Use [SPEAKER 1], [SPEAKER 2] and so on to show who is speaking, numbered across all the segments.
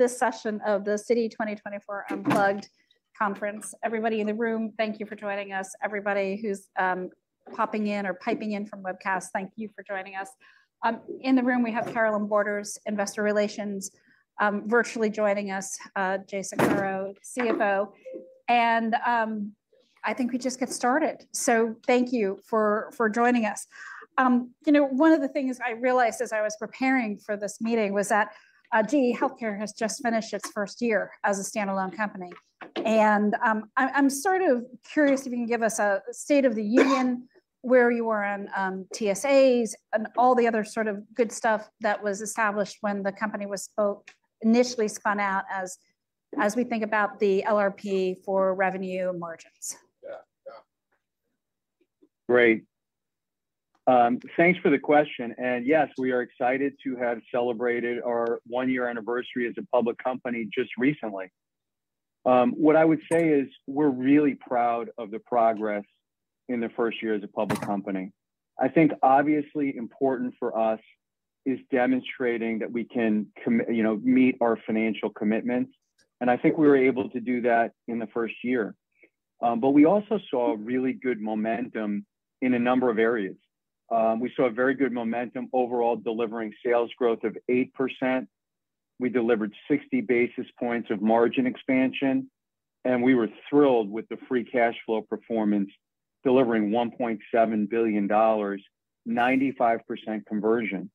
[SPEAKER 1] This session of the Citi 2024 Unplugged conference. Everybody in the room, thank you for joining us. Everybody who's popping in or piping in from webcast, thank you for joining us. In the room we have Carolynne Borders, Investor Relations, virtually joining us, Jay Saccaro, CFO. I think we just get started. So thank you for joining us. You know, one of the things I realized as I was preparing for this meeting was that, GE HealthCare has just finished its first year as a standalone company. I'm sort of curious if you can give us a state of the union, where you were on, TSAs and all the other sort of good stuff that was established when the company was both initially spun out as, as we think about the LRP for revenue and margins.
[SPEAKER 2] Yeah, yeah. Great. Thanks for the question. And yes, we are excited to have celebrated our one-year anniversary as a public company just recently. What I would say is we're really proud of the progress in the first year as a public company. I think obviously important for us is demonstrating that we can commit, you know, meet our financial commitments. And I think we were able to do that in the first year. But we also saw really good momentum in a number of areas. We saw a very good momentum overall delivering sales growth of 8%. We delivered 60 basis points of margin expansion. And we were thrilled with the free cash flow performance, delivering $1.7 billion, 95% conversion.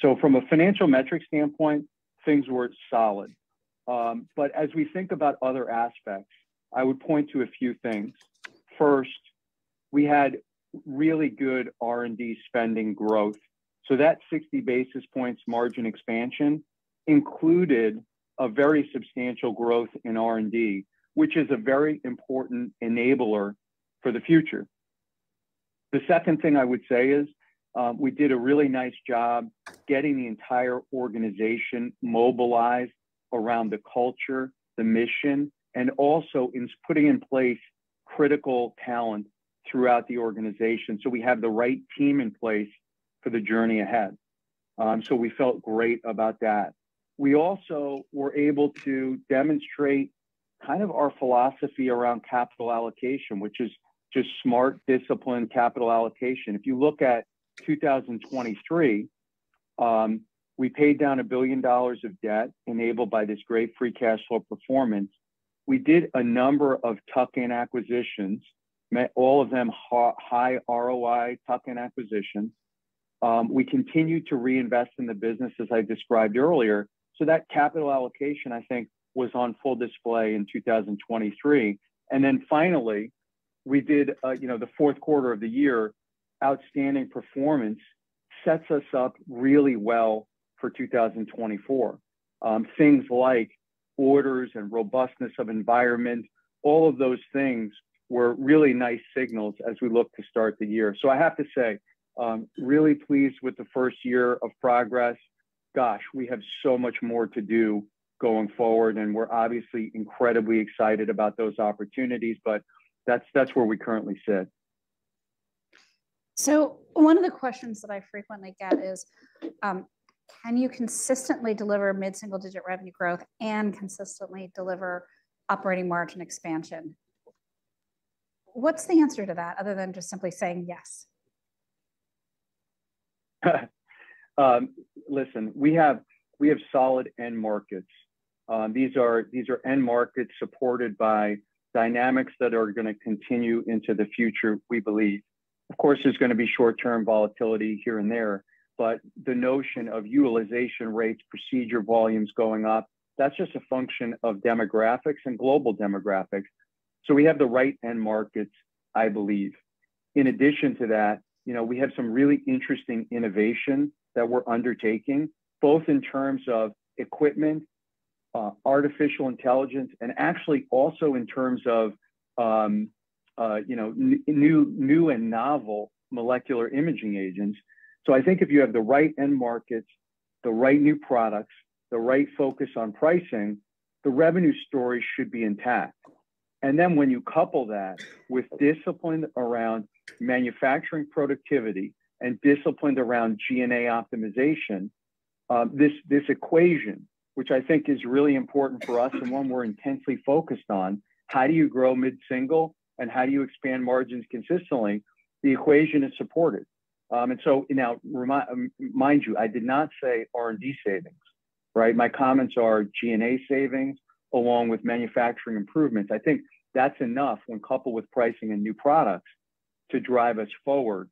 [SPEAKER 2] So from a financial metric standpoint, things were solid. But as we think about other aspects, I would point to a few things. First, we had really good R&D spending growth. So that 60 basis points margin expansion included a very substantial growth in R&D, which is a very important enabler for the future. The second thing I would say is, we did a really nice job getting the entire organization mobilized around the culture, the mission, and also in putting in place critical talent throughout the organization so we have the right team in place for the journey ahead. So we felt great about that. We also were able to demonstrate kind of our philosophy around capital allocation, which is just smart disciplined capital allocation. If you look at 2023, we paid down $1 billion of debt enabled by this great free cash flow performance. We did a number of tuck-in acquisitions, met all of them high ROI tuck-in acquisitions. We continued to reinvest in the business as I described earlier. So that capital allocation, I think, was on full display in 2023. And then finally, we did, you know, the fourth quarter of the year. Outstanding performance sets us up really well for 2024. Things like orders and robustness of environment, all of those things were really nice signals as we look to start the year. So I have to say, really pleased with the first year of progress. Gosh, we have so much more to do going forward, and we're obviously incredibly excited about those opportunities. But that's, that's where we currently sit.
[SPEAKER 1] One of the questions that I frequently get is, can you consistently deliver mid-single digit revenue growth and consistently deliver operating margin expansion? What's the answer to that, other than just simply saying yes?
[SPEAKER 2] We have solid end markets. These are end markets supported by dynamics that are going to continue into the future, we believe. Of course, there's going to be short-term volatility here and there. But the notion of utilization rates, procedure volumes going up, that's just a function of demographics and global demographics. So we have the right end markets, I believe. In addition to that, you know, we have some really interesting innovation that we're undertaking, both in terms of equipment, artificial intelligence, and actually also in terms of, you know, new, new and novel molecular imaging agents. So I think if you have the right end markets, the right new products, the right focus on pricing, the revenue story should be intact. And then when you couple that with discipline around manufacturing productivity and discipline around G&A optimization, this, this equation, which I think is really important for us, and one we're intensely focused on, how do you grow mid-single, and how do you expand margins consistently? The equation is supported. And so now remind you, I did not say R&D savings. Right? My comments are G&A savings, along with manufacturing improvements. I think that's enough when coupled with pricing and new products to drive us forward,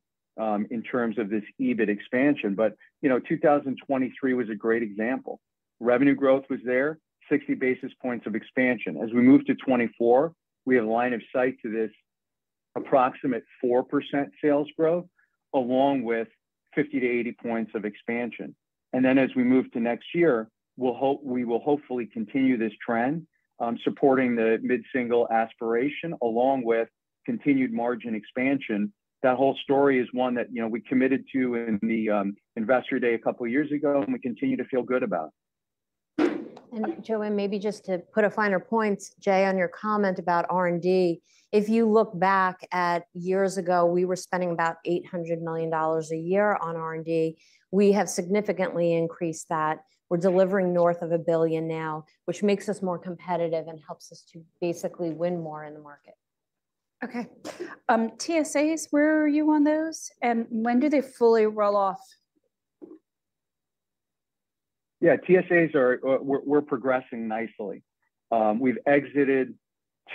[SPEAKER 2] in terms of this EBIT expansion. But, you know, 2023 was a great example. Revenue growth was there, 60 basis points of expansion. As we move to 2024, we have a line of sight to this approximate 4% sales growth, along with 50-80 points of expansion. And then as we move to next year, we'll hope we will hopefully continue this trend, supporting the mid-single aspiration, along with continued margin expansion. That whole story is one that, you know, we committed to in the Investor Day a couple of years ago, and we continue to feel good about.
[SPEAKER 3] Joan, maybe just to put a finer point, Jay, on your comment about R&D, if you look back at years ago, we were spending about $800 million a year on R&D. We have significantly increased that. We're delivering north of $1 billion now, which makes us more competitive and helps us to basically win more in the market.
[SPEAKER 1] Okay. TSAs, where are you on those? And when do they fully roll off?
[SPEAKER 2] Yeah, TSAs are, we're, we're progressing nicely. We've exited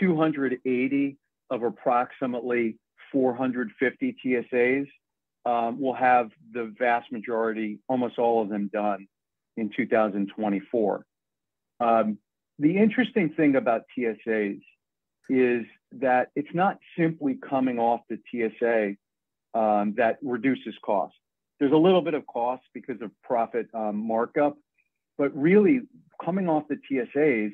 [SPEAKER 2] 280 of approximately 450 TSAs. We'll have the vast majority, almost all of them done in 2024. The interesting thing about TSAs is that it's not simply coming off the TSA, that reduces costs. There's a little bit of cost because of profit, markup. But really, coming off the TSAs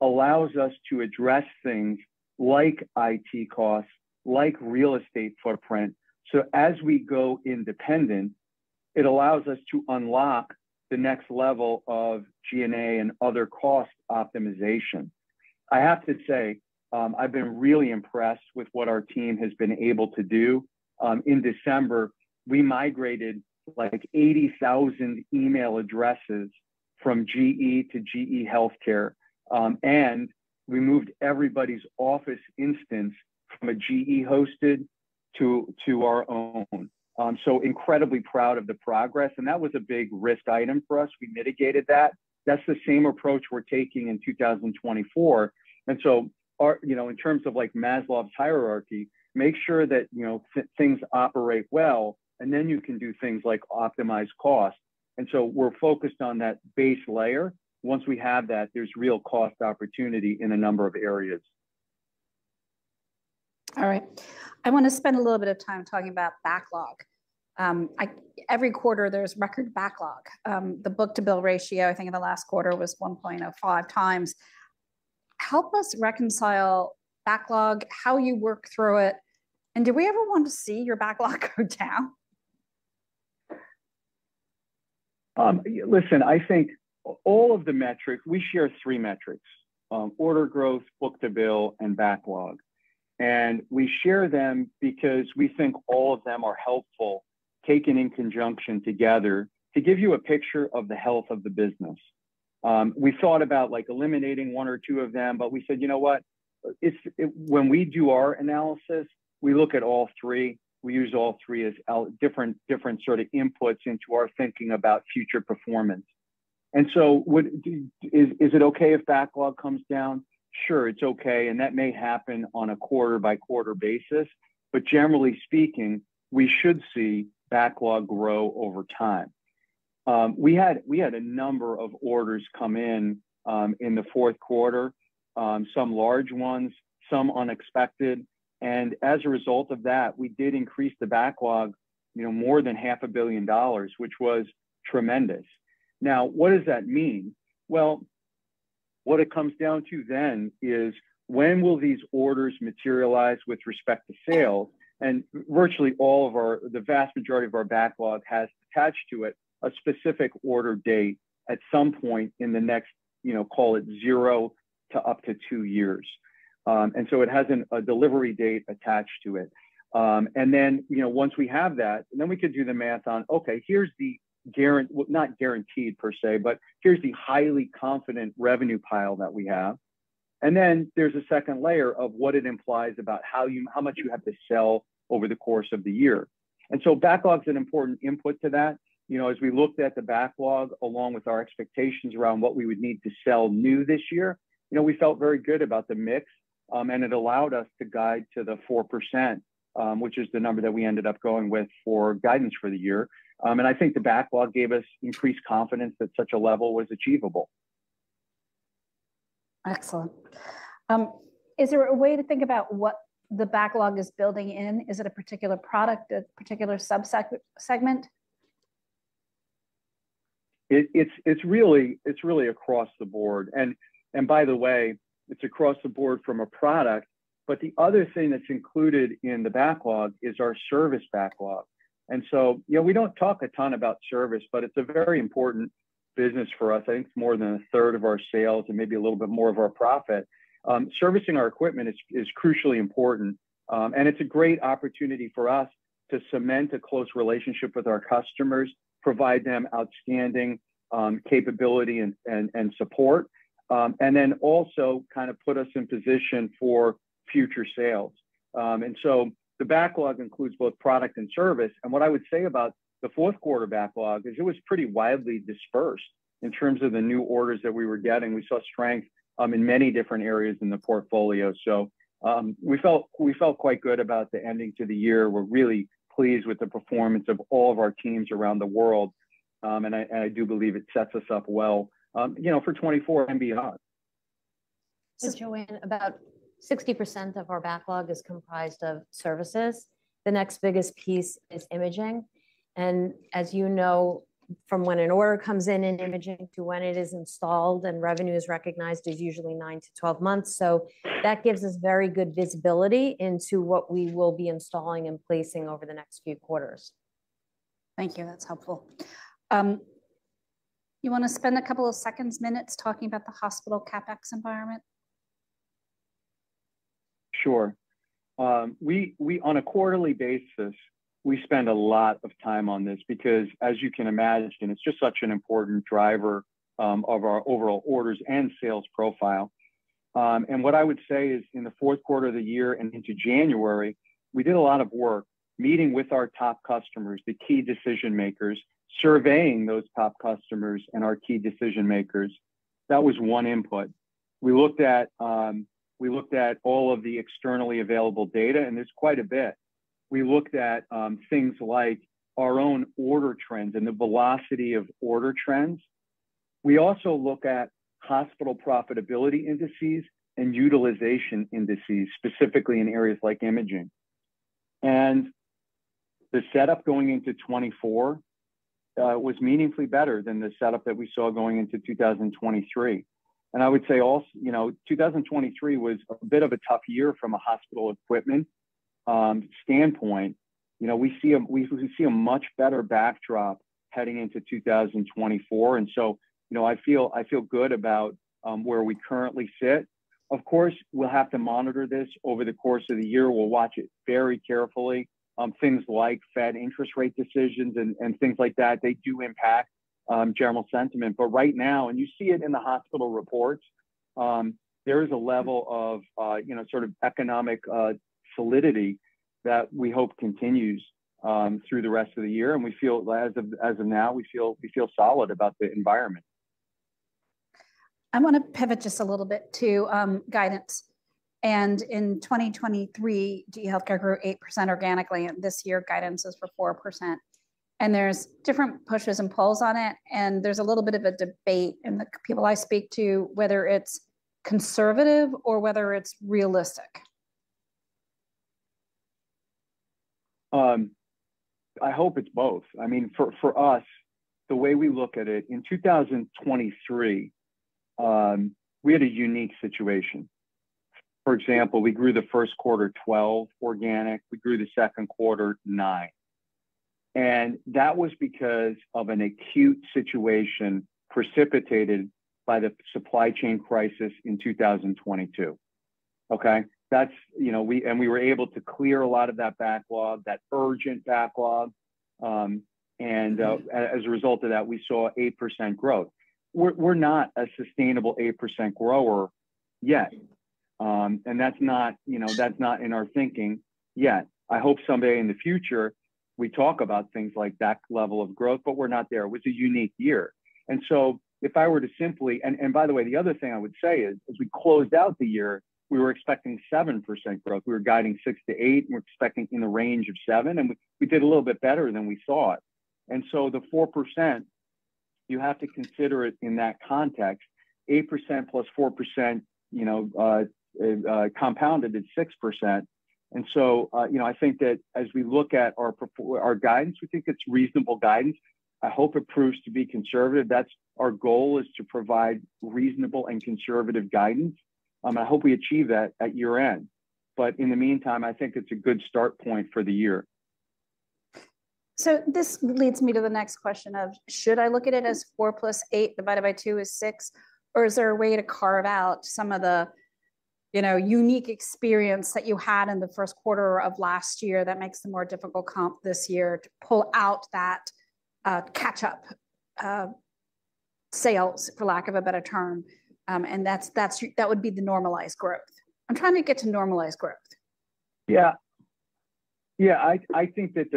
[SPEAKER 2] allows us to address things like IT costs, like real estate footprint. So as we go independent, it allows us to unlock the next level of G&A and other cost optimization. I have to say, I've been really impressed with what our team has been able to do. In December, we migrated like 80,000 email addresses from GE to GE HealthCare. And we moved everybody's Office instance from a GE-hosted to, to our own. So incredibly proud of the progress. And that was a big risk item for us. We mitigated that. That's the same approach we're taking in 2024. And so our, you know, in terms of like Maslow's hierarchy, make sure that, you know, things operate well, and then you can do things like optimize costs. And so we're focused on that base layer. Once we have that, there's real cost opportunity in a number of areas.
[SPEAKER 1] All right. I want to spend a little bit of time talking about backlog. Every quarter there's record backlog. The book-to-bill ratio, I think, in the last quarter was 1.05x. Help us reconcile backlog, how you work through it. And do we ever want to see your backlog go down?
[SPEAKER 2] Listen, I think all of the metrics we share, 3 metrics, order growth, book-to-bill, and backlog. And we share them because we think all of them are helpful, taken in conjunction together to give you a picture of the health of the business. We thought about like eliminating one or two of them, but we said, you know what? It's when we do our analysis, we look at all three. We use all three as different, different sort of inputs into our thinking about future performance. And so would is, is it okay if backlog comes down? Sure, it's okay. And that may happen on a quarter-by-quarter basis. But generally speaking, we should see backlog grow over time. We had a number of orders come in, in the fourth quarter, some large ones, some unexpected. As a result of that, we did increase the backlog, you know, more than $500 million, which was tremendous. Now, what does that mean? Well, what it comes down to then is, when will these orders materialize with respect to sales? Virtually all of our, the vast majority of our backlog has attached to it a specific order date at some point in the next, you know, call it zero to up to two years, and so it hasn't a delivery date attached to it. And then, you know, once we have that, then we could do the math on, okay, here's the guarantee, not guaranteed per se, but here's the highly confident revenue pile that we have. Then there's a second layer of what it implies about how much you have to sell over the course of the year. And so backlog is an important input to that. You know, as we looked at the backlog, along with our expectations around what we would need to sell new this year, you know, we felt very good about the mix. And it allowed us to guide to the 4%, which is the number that we ended up going with for guidance for the year. And I think the backlog gave us increased confidence that such a level was achievable.
[SPEAKER 1] Excellent. Is there a way to think about what the backlog is building in? Is it a particular product, a particular sub-segment?
[SPEAKER 2] It's really across the board. And by the way, it's across the board from a product. But the other thing that's included in the backlog is our service backlog. And so, you know, we don't talk a ton about service, but it's a very important business for us. I think it's more than a third of our sales and maybe a little bit more of our profit. Servicing our equipment is crucially important. And it's a great opportunity for us to cement a close relationship with our customers, provide them outstanding capability and support. And then also kind of put us in position for future sales. And so the backlog includes both product and service. And what I would say about the fourth quarter backlog is it was pretty widely dispersed in terms of the new orders that we were getting. We saw strength in many different areas in the portfolio. So, we felt quite good about the ending to the year. We're really pleased with the performance of all of our teams around the world. I do believe it sets us up well, you know, for 2024 and beyond.
[SPEAKER 3] So, Joan, about 60% of our backlog is comprised of services. The next biggest piece is imaging. And as you know, from when an order comes in in imaging to when it is installed and revenue is recognized is usually nine to 12 months. So that gives us very good visibility into what we will be installing and placing over the next few quarters.
[SPEAKER 1] Thank you. That's helpful. You want to spend a couple of seconds, minutes talking about the hospital CapEx environment?
[SPEAKER 2] Sure. On a quarterly basis, we spend a lot of time on this, because as you can imagine, it's just such an important driver of our overall orders and sales profile. What I would say is, in the fourth quarter of the year and into January, we did a lot of work meeting with our top customers, the key decision makers, surveying those top customers and our key decision makers. That was one input. We looked at all of the externally available data, and there's quite a bit. We looked at things like our own order trends and the velocity of order trends. We also look at hospital profitability indices and utilization indices, specifically in areas like imaging. The setup going into 2024 was meaningfully better than the setup that we saw going into 2023. And I would say also, you know, 2023 was a bit of a tough year from a hospital equipment standpoint. You know, we see a much better backdrop heading into 2024. And so, you know, I feel good about where we currently sit. Of course, we'll have to monitor this over the course of the year. We'll watch it very carefully. Things like Fed interest rate decisions and things like that, they do impact general sentiment. But right now, and you see it in the hospital reports, there is a level of, you know, sort of economic solidity that we hope continues through the rest of the year. And we feel as of now, we feel solid about the environment.
[SPEAKER 1] I want to pivot just a little bit to guidance. In 2023, GE HealthCare grew 8% organically. This year, guidance is for 4%. There's different pushes and pulls on it. There's a little bit of a debate in the people I speak to, whether it's conservative or whether it's realistic.
[SPEAKER 2] I hope it's both. I mean, for us, the way we look at it in 2023. We had a unique situation. For example, we grew the first quarter 12 organic. We grew the second quarter nine. And that was because of an acute situation precipitated by the supply chain crisis in 2022. Okay, that's, you know, we were able to clear a lot of that backlog, that urgent backlog. And, as a result of that, we saw 8% growth. We're not a sustainable 8% grower yet. And that's not, you know, that's not in our thinking yet. I hope someday in the future we talk about things like that level of growth, but we're not there. It was a unique year. And so, if I were to simply—and by the way, the other thing I would say is, as we closed out the year, we were expecting 7% growth. We were guiding 6%-8%, and we were expecting in the range of 7%. And we did a little bit better than we thought. And so the 4%. You have to consider it in that context, 8% + 4%, you know, compounded at 6%. And so, you know, I think that as we look at our guidance, we think it's reasonable guidance. I hope it proves to be conservative. That's our goal is to provide reasonable and conservative guidance. And I hope we achieve that at year end. But in the meantime, I think it's a good start point for the year.
[SPEAKER 1] So this leads me to the next question of, should I look at it as 4 + 8 divided by two is six? Or is there a way to carve out some of the, you know, unique experience that you had in the first quarter of last year that makes them more difficult comp this year to pull out that, catch up, sales, for lack of a better term? And that's that would be the normalized growth. I'm trying to get to normalized growth.
[SPEAKER 2] Yeah. Yeah, I think that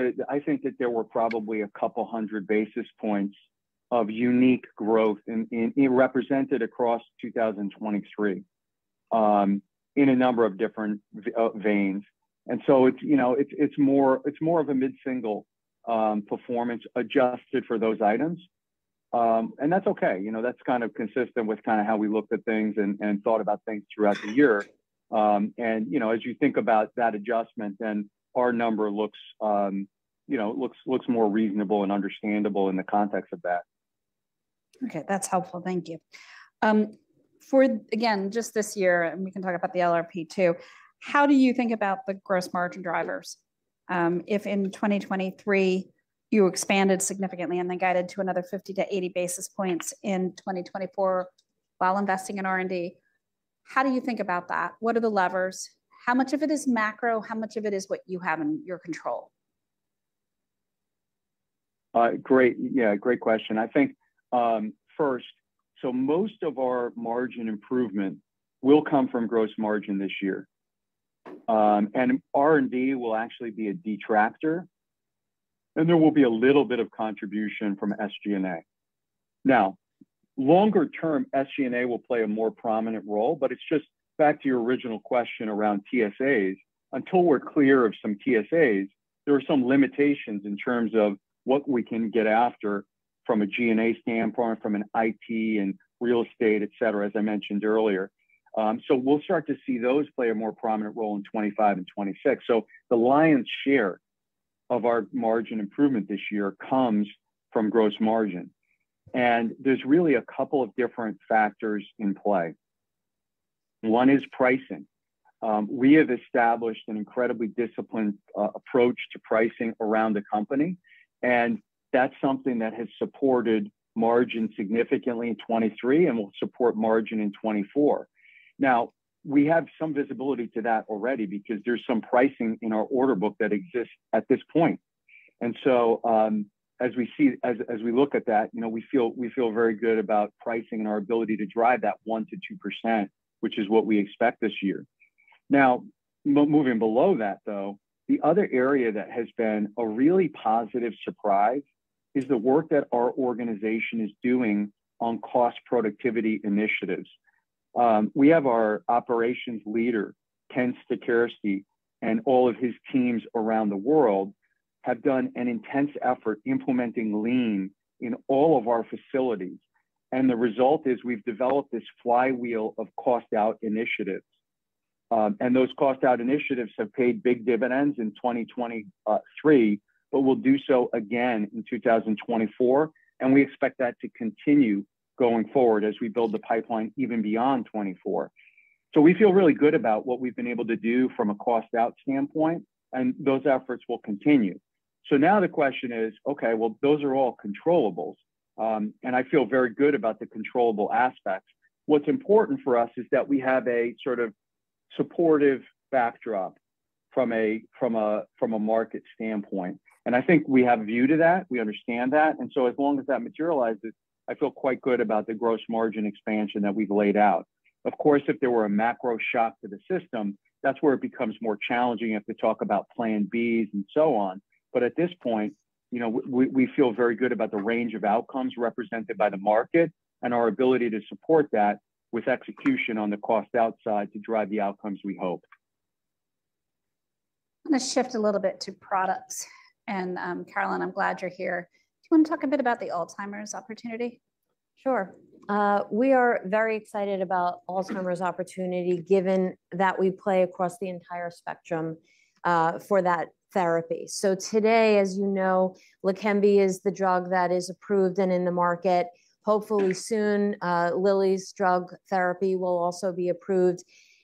[SPEAKER 2] there were probably 200 basis points of unique growth represented across 2023 in a number of different veins. So it's, you know, it's more. It's more of a mid-single performance adjusted for those items. And that's okay. You know, that's kind of consistent with how we looked at things and thought about things throughout the year. And you know, as you think about that adjustment, then our number looks, you know, looks more reasonable and understandable in the context of that.
[SPEAKER 1] Okay, that's helpful. Thank you for again, just this year, and we can talk about the LRP, too. How do you think about the gross margin drivers if in 2023 you expanded significantly and then guided to another 50-80 basis points in 2024 while investing in R&D? How do you think about that? What are the levers? How much of it is macro? How much of it is what you have in your control?
[SPEAKER 2] Great. Yeah, great question. I think, first, so most of our margin improvement will come from gross margin this year. R&D will actually be a detractor. There will be a little bit of contribution from SG&A. Now, longer term, SG&A will play a more prominent role. It's just back to your original question around TSAs. Until we're clear of some TSAs, there are some limitations in terms of what we can get after from a G&A standpoint, from an IT and real estate, etc., as I mentioned earlier. We'll start to see those play a more prominent role in 2025 and 2026. The lion's share of our margin improvement this year comes from gross margin. There's really a couple of different factors in play. One is pricing. We have established an incredibly disciplined approach to pricing around the company. That's something that has supported margin significantly in 2023 and will support margin in 2024. Now, we have some visibility to that already, because there's some pricing in our order book that exists at this point. And so, as we see, as we look at that, you know, we feel very good about pricing and our ability to drive that 1%-2%, which is what we expect this year. Now, moving below that, though, the other area that has been a really positive surprise is the work that our organization is doing on cost productivity initiatives. We have our operations leader, Ken Stacherski, and all of his teams around the world have done an intense effort implementing Lean in all of our facilities. And the result is we've developed this flywheel of cost out initiatives. Those cost out initiatives have paid big dividends in 2023, but will do so again in 2024. We expect that to continue going forward as we build the pipeline even beyond 2024. We feel really good about what we've been able to do from a cost out standpoint, and those efforts will continue. Now the question is, okay, well, those are all controllable. I feel very good about the controllable aspects. What's important for us is that we have a sort of supportive backdrop from a market standpoint. I think we have view to that. We understand that. So, as long as that materializes, I feel quite good about the gross margin expansion that we've laid out. Of course, if there were a macro shock to the system, that's where it becomes more challenging if we talk about plan B's and so on. But at this point, you know, we we feel very good about the range of outcomes represented by the market and our ability to support that with execution on the cost outside to drive the outcomes we hope.
[SPEAKER 1] I'm gonna shift a little bit to products. And, Carolynne, I'm glad you're here. Do you want to talk a bit about the Alzheimer's opportunity?
[SPEAKER 3] Sure. We are very excited about Alzheimer's opportunity, given that we play across the entire spectrum for that therapy. So today, as you know, Leqembi is the drug that is approved and in the market. Hopefully soon, Lilly's drug therapy will also be approved.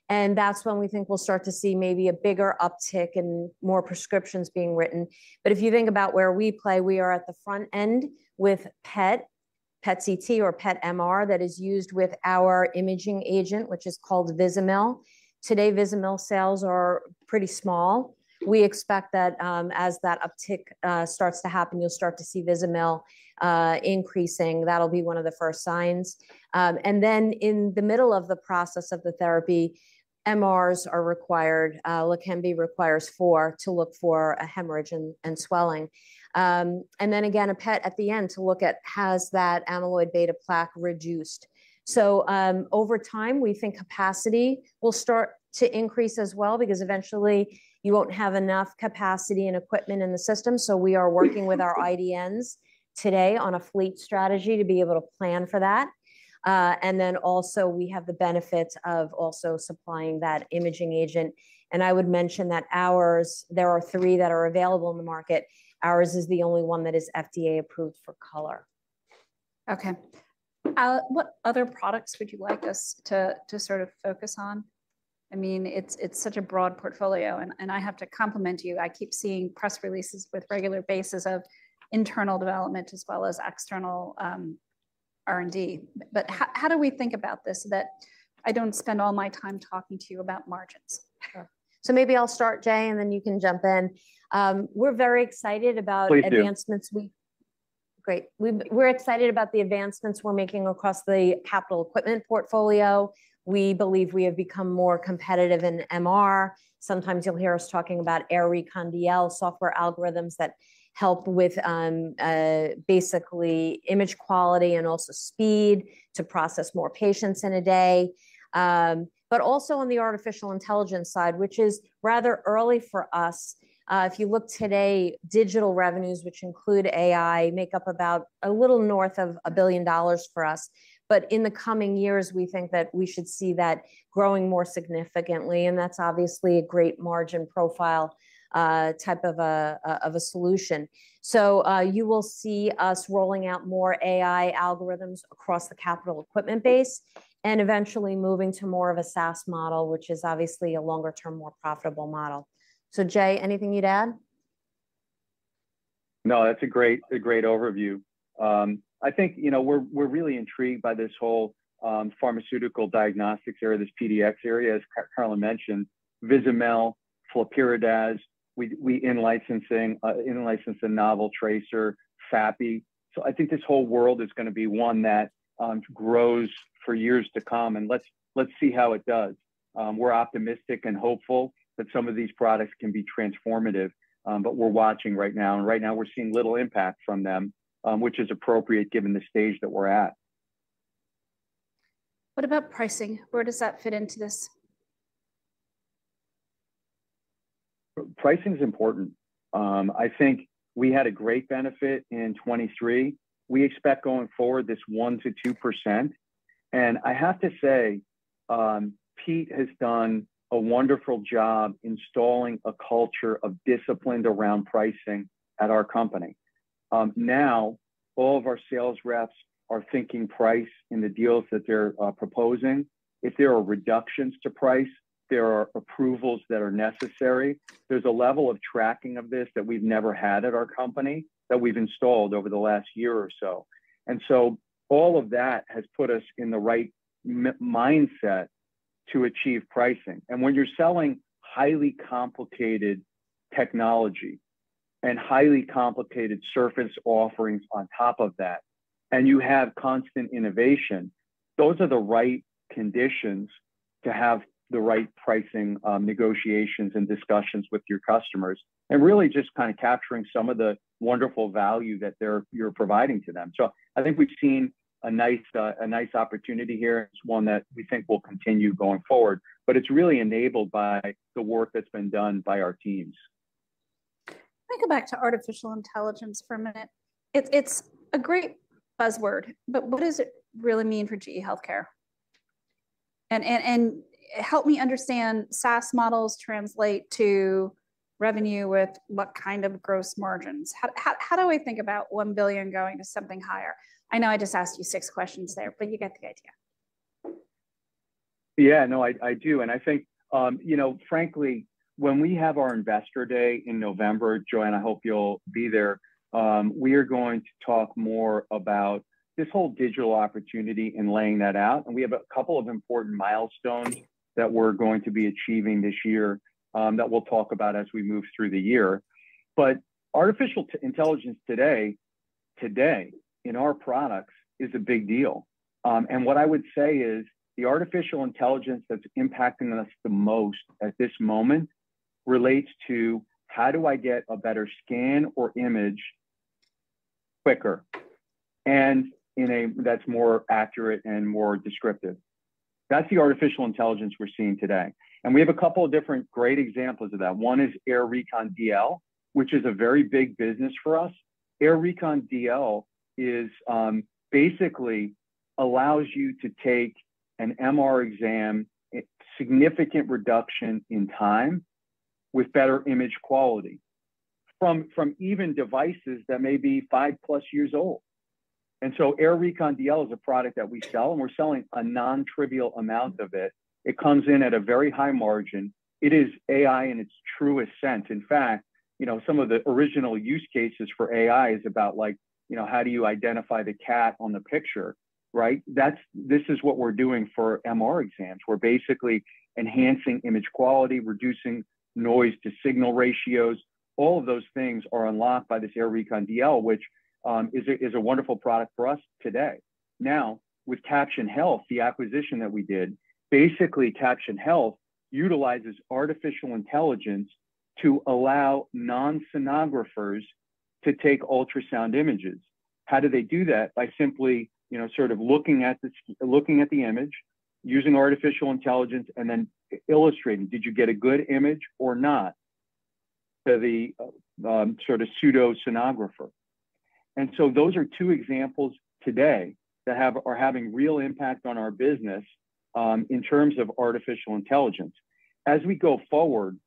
[SPEAKER 3] And that's when we think we'll start to see maybe a bigger uptick and more prescriptions being written. But if you think about where we play, we are at the front end with PET, PET CT, or PET MR that is used with our imaging agent, which is called Vizamyl. Today, Vizamyl sales are pretty small. We expect that, as that uptick starts to happen, you'll start to see Vizamyl increasing. That'll be one of the first signs. And then in the middle of the process of the therapy, MRs are required. Leqembi requires four to look for a hemorrhage and and swelling. and then again, a PET at the end to look at, has that amyloid beta plaque reduced? So, over time, we think capacity will start to increase as well, because eventually you won't have enough capacity and equipment in the system. So we are working with our IDNs today on a fleet strategy to be able to plan for that. Then also we have the benefit of also supplying that imaging agent. And I would mention that ours, there are three that are available in the market. Ours is the only one that is FDA approved for color.
[SPEAKER 1] Okay. What other products would you like us to sort of focus on? I mean, it's such a broad portfolio, and I have to compliment you. I keep seeing press releases with regular basis of internal development, as well as external, R&D. But how do we think about this so that I don't spend all my time talking to you about margins?
[SPEAKER 3] Sure. So maybe I'll start, Jay, and then you can jump in. We're very excited about advancements.
[SPEAKER 2] Please do.
[SPEAKER 3] We're great. We're excited about the advancements we're making across the capital equipment portfolio. We believe we have become more competitive in MR. Sometimes you'll hear us talking about AIR Recon DL software algorithms that help with, basically image quality and also speed to process more patients in a day. But also on the artificial intelligence side, which is rather early for us. If you look today, digital revenues, which include AI, make up about a little north of $1 billion for us. But in the coming years, we think that we should see that growing more significantly. And that's obviously a great margin profile, type of a solution. So, you will see us rolling out more AI algorithms across the capital equipment base, and eventually moving to more of a SaaS model, which is obviously a longer term, more profitable model. So, Jay, anything you'd add?
[SPEAKER 2] No, that's a great a great overview. I think, you know, we're we're really intrigued by this whole, pharmaceutical diagnostics area, this PDX area, as Carolynne mentioned, Vizamyl, Flyrcado, we we in licensing, in license a novel tracer, FAPI. So I think this whole world is going to be one that, grows for years to come. And let's let's see how it does. We're optimistic and hopeful that some of these products can be transformative. But we're watching right now, and right now we're seeing little impact from them, which is appropriate, given the stage that we're at.
[SPEAKER 1] What about pricing? Where does that fit into this?
[SPEAKER 2] Pricing is important. I think we had a great benefit in 2023. We expect going forward this 1%-2%. And I have to say, Pete has done a wonderful job installing a culture of discipline around pricing at our company. Now all of our sales reps are thinking price in the deals that they're proposing. If there are reductions to price, there are approvals that are necessary. There's a level of tracking of this that we've never had at our company that we've installed over the last year or so. And so all of that has put us in the right mindset to achieve pricing. When you're selling highly complicated technology and highly complicated service offerings on top of that, and you have constant innovation, those are the right conditions to have the right pricing, negotiations and discussions with your customers, and really just kind of capturing some of the wonderful value that you're providing to them. So I think we've seen a nice, a nice opportunity here. It's one that we think will continue going forward. It's really enabled by the work that's been done by our teams.
[SPEAKER 1] If I go back to artificial intelligence for a minute. It's a great buzzword. But what does it really mean for GE HealthCare? And help me understand, SaaS models translate to revenue with what kind of gross margins? How do I think about $1 billion going to something higher? I know I just asked you six questions there, but you get the idea.
[SPEAKER 2] Yeah, no, I I do. And I think, you know, frankly, when we have our investor day in November, Joanna, I hope you'll be there. We are going to talk more about this whole digital opportunity and laying that out. And we have a couple of important milestones that we're going to be achieving this year, that we'll talk about as we move through the year. But artificial intelligence today, today in our products is a big deal. And what I would say is the artificial intelligence that's impacting us the most at this moment relates to, how do I get a better scan or image quicker? And one that's more accurate and more descriptive. That's the artificial intelligence we're seeing today. And we have a couple of different great examples of that. One is AIR Recon DL, which is a very big business for us. AIR Recon DL is basically allows you to take an MR exam, a significant reduction in time with better image quality from even devices that may be five plus years old. And so AIR Recon DL is a product that we sell, and we're selling a non-trivial amount of it. It comes in at a very high margin. It is AI in its truest sense. In fact, you know, some of the original use cases for AI is about like, you know, how do you identify the cat on the picture? Right? That's this is what we're doing for MR exams. We're basically enhancing image quality, reducing noise to signal ratios. All of those things are unlocked by this AIR Recon DL, which is a wonderful product for us today. Now, with Caption Health, the acquisition that we did, basically Caption Health utilizes artificial intelligence to allow non-sonographers to take ultrasound images. How do they do that? By simply, you know, sort of looking at the image, using artificial intelligence, and then illustrating, did you get a good image or not? To the, sort of pseudo sonographer. And so those are two examples today that are having real impact on our business, in terms of artificial intelligence. As we go forward,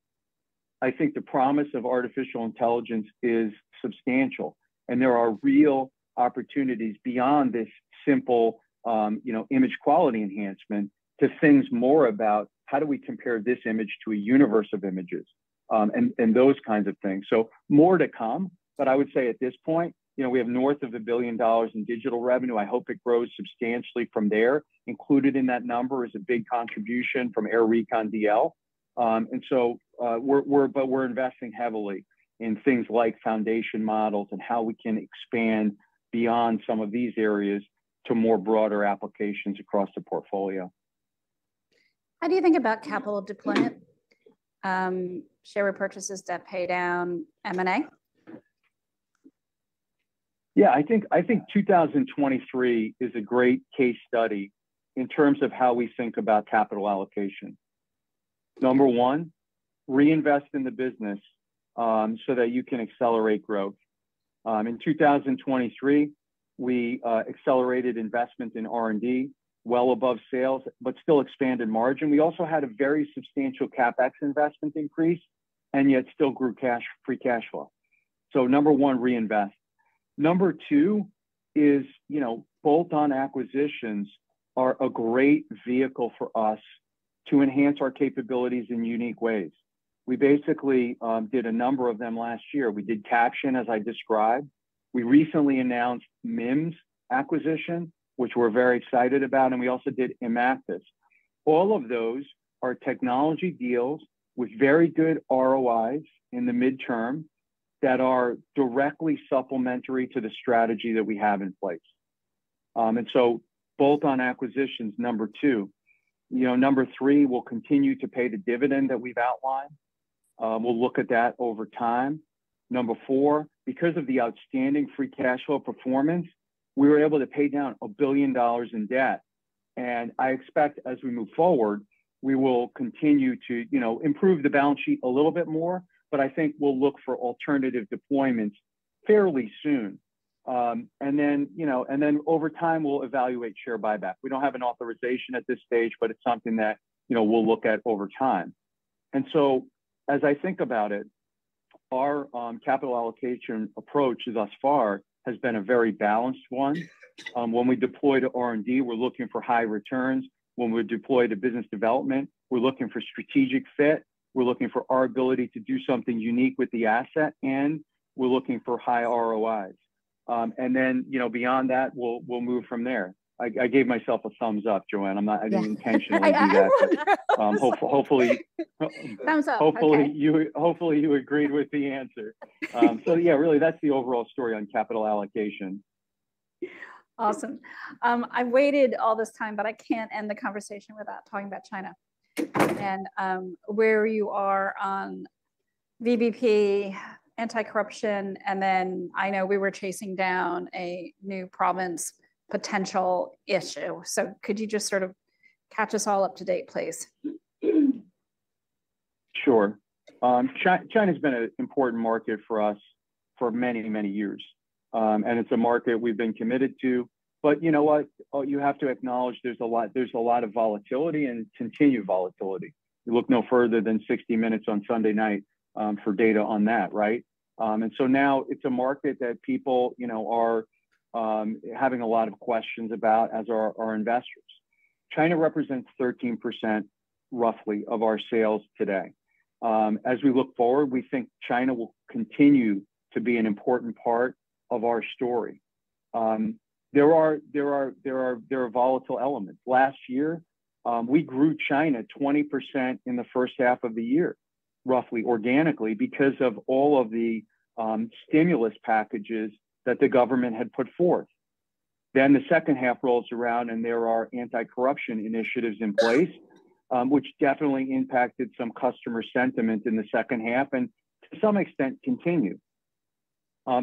[SPEAKER 2] I think the promise of artificial intelligence is substantial. And there are real opportunities beyond this simple, you know, image quality enhancement to things more about, how do we compare this image to a universe of images? and those kinds of things. So more to come. But I would say, at this point, you know, we have north of $1 billion in digital revenue. I hope it grows substantially from there. Included in that number is a big contribution from AIR Recon DL. And so, we're investing heavily in things like foundation models and how we can expand beyond some of these areas to more broader applications across the portfolio.
[SPEAKER 1] How do you think about capital deployment? Share repurchases, debt paydown, M&A?
[SPEAKER 2] Yeah, I think I think 2023 is a great case study in terms of how we think about capital allocation. Number one, reinvest in the business, so that you can accelerate growth. In 2023, we accelerated investment in R&D well above sales, but still expanded margin. We also had a very substantial CapEx investment increase, and yet still grew free cash flow. So number one, reinvest. Number two is, you know, bolt-on acquisitions are a great vehicle for us to enhance our capabilities in unique ways. We basically did a number of them last year. We did Caption, as I described. We recently announced MIM's acquisition, which we're very excited about. And we also did Imactis. All of those are technology deals with very good ROIs in the midterm that are directly supplementary to the strategy that we have in place. And so bolt-on acquisitions, number two. You know, number three, we'll continue to pay the dividend that we've outlined. We'll look at that over time. Number four, because of the outstanding free cash flow performance, we were able to pay down $1 billion in debt. And I expect, as we move forward, we will continue to, you know, improve the balance sheet a little bit more. But I think we'll look for alternative deployments fairly soon. And then, you know, and then over time, we'll evaluate share buyback. We don't have an authorization at this stage, but it's something that, you know, we'll look at over time. And so, as I think about it. Our, capital allocation approach thus far has been a very balanced one. When we deploy to R&D, we're looking for high returns. When we deploy to business development, we're looking for strategic fit. We're looking for our ability to do something unique with the asset. And we're looking for high ROIs. And then, you know, beyond that, we'll move from there. I gave myself a thumbs up, Joanna. I'm not. I didn't intentionally do that. Hopefully.
[SPEAKER 1] Thumbs up.
[SPEAKER 2] Hopefully you agreed with the answer. So yeah, really, that's the overall story on capital allocation.
[SPEAKER 1] Awesome. I waited all this time, but I can't end the conversation without talking about China. And where you are on VBP anti-corruption. And then I know we were chasing down a new province potential issue. So could you just sort of catch us all up to date, please?
[SPEAKER 2] Sure. China. China's been an important market for us for many, many years, and it's a market we've been committed to. But you know what? Oh, you have to acknowledge there's a lot of volatility and continue volatility. You look no further than 60 Minutes on Sunday night for data on that. Right? And so now it's a market that people, you know, are having a lot of questions about as our investors. China represents roughly 13% of our sales today. As we look forward, we think China will continue to be an important part of our story. There are volatile elements. Last year, we grew China 20% in the first half of the year, roughly organically, because of all of the stimulus packages that the government had put forth. Then the second half rolls around, and there are anti-corruption initiatives in place, which definitely impacted some customer sentiment in the second half, and to some extent continue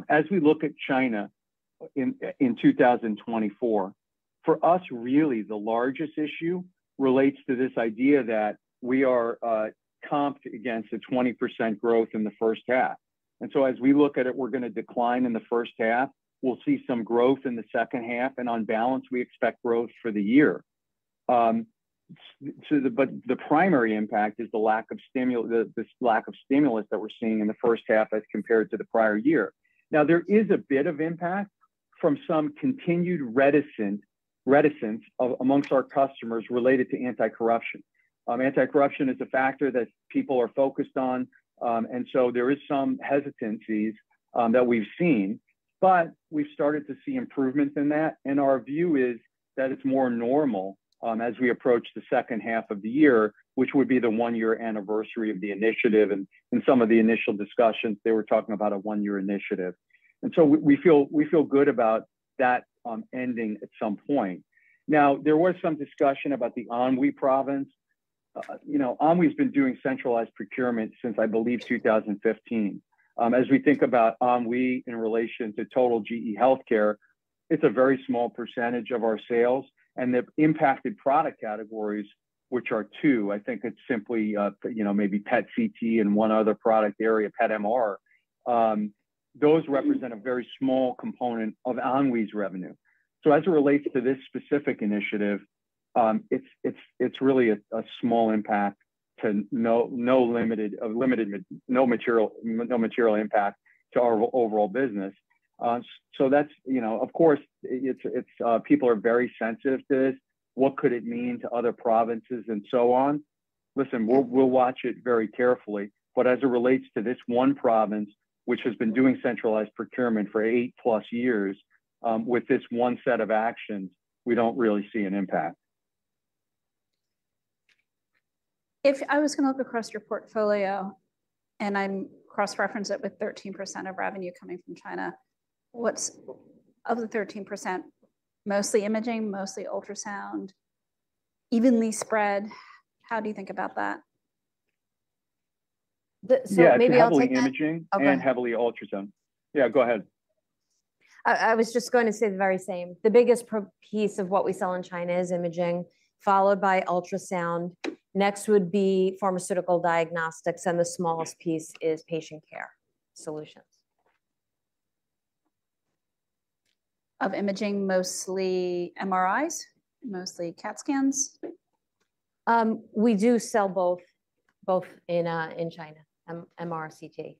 [SPEAKER 2] as we look at China in 2024. For us, really, the largest issue relates to this idea that we are comped against the 20% growth in the first half. And so, as we look at it, we're going to decline in the first half. We'll see some growth in the second half. And on balance, we expect growth for the year. But the primary impact is the lack of stimulus, this lack of stimulus that we're seeing in the first half, as compared to the prior year. Now, there is a bit of impact from some continued reticence amongst our customers related to anti-corruption. Anti-corruption is a factor that people are focused on. So there is some hesitancies that we've seen. But we've started to see improvements in that. Our view is that it's more normal as we approach the second half of the year, which would be the one-year anniversary of the initiative. In some of the initial discussions, they were talking about a one-year initiative. So we feel good about that ending at some point. Now, there was some discussion about the Anhui Province. You know, Anhui's been doing centralized procurement since, I believe, 2015. As we think about Anhui in relation to total GE HealthCare, it's a very small percentage of our sales. And they've impacted product categories, which are two. I think it's simply, you know, maybe PET CT and one other product area, PET MR. Those represent a very small component of Anhui's revenue. So, as it relates to this specific initiative, it's really a small impact no, limited no, material no material impac to our overall business. So that's, you know, of course, it's, people are very sensitive to this. What could it mean to other provinces, and so on? Listen, we'll watch it very carefully. But as it relates to this one province, which has been doing centralized procurement for 8+ years, with this one set of actions, we don't really see an impact.
[SPEAKER 1] If I was gonna look across your portfolio. I'm cross-reference it with 13% of revenue coming from China. What's of the 13%? Mostly imaging, mostly ultrasound. Evenly spread. How do you think about that?
[SPEAKER 3] So maybe I'll take that.
[SPEAKER 2] Heavily imaging and heavily ultrasound. Yeah, go ahead.
[SPEAKER 3] I was just going to say the very same. The biggest pro piece of what we sell in China is imaging, followed by ultrasound. Next would be pharmaceutical diagnostics. And the smallest piece is patient care solutions.
[SPEAKER 1] Of imaging, mostly MRIs, mostly CAT scans.
[SPEAKER 3] We do sell both in China, MR CT.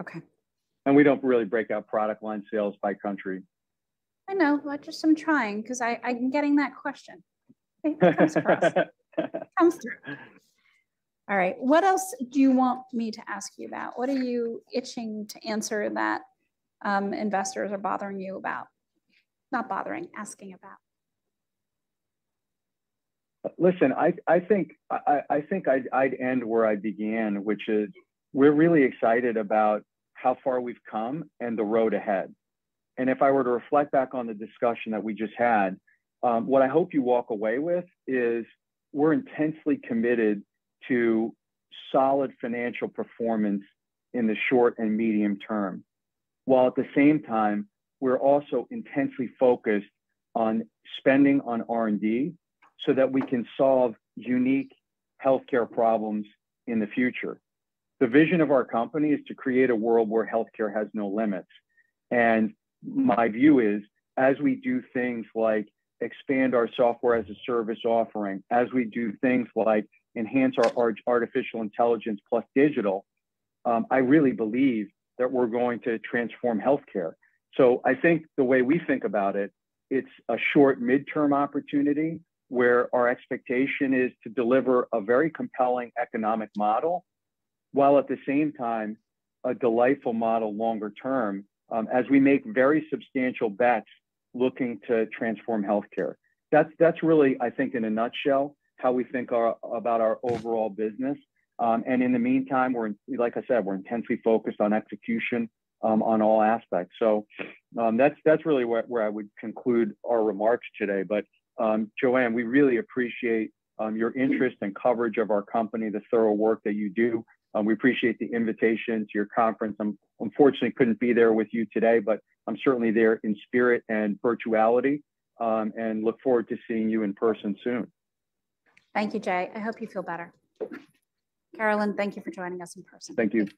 [SPEAKER 1] Okay.
[SPEAKER 2] We don't really break out product line sales by country.
[SPEAKER 1] I know. Well, just I'm trying, because I'm getting that question. It comes across. It comes through. All right. What else do you want me to ask you about? What are you itching to answer that investors are bothering you about? Not bothering, asking about.
[SPEAKER 2] Listen, I think I'd end where I began, which is, we're really excited about how far we've come and the road ahead. If I were to reflect back on the discussion that we just had, what I hope you walk away with is, we're intensely committed to solid financial performance in the short and medium term. While, at the same time, we're also intensely focused on spending on R&D, so that we can solve unique healthcare problems in the future. The vision of our company is to create a world where healthcare has no limits. My view is, as we do things like expand our software as a service offering, as we do things like enhance our artificial intelligence plus digital. I really believe that we're going to transform healthcare. So I think the way we think about it, it's a short midterm opportunity, where our expectation is to deliver a very compelling economic model. While, at the same time, a delightful model longer term, as we make very substantial bets looking to transform healthcare. That's really, I think, in a nutshell, how we think about our overall business. And in the meantime, we're in, like I said, we're intensely focused on execution, on all aspects. So, that's really where I would conclude our remarks today. But, Joan, we really appreciate your interest and coverage of our company, the thorough work that you do. We appreciate the invitation to your conference. I unfortunately couldn't be there with you today, but I'm certainly there in spirit and virtuality. And look forward to seeing you in person soon.
[SPEAKER 1] Thank you, Jay. I hope you feel better. Carolynne, thank you for joining us in person.
[SPEAKER 2] Thank you.